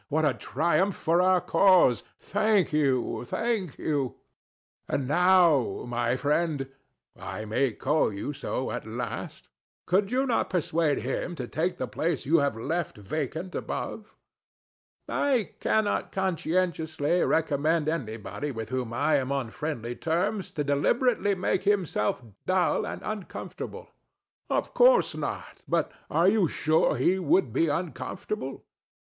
What a triumph for our cause! Thank you, thank you. And now, my friend I may call you so at last could you not persuade HIM to take the place you have left vacant above? THE STATUE. [shaking his head] I cannot conscientiously recommend anybody with whom I am on friendly terms to deliberately make himself dull and uncomfortable. THE DEVIL. Of course not; but are you sure HE would be uncomfortable?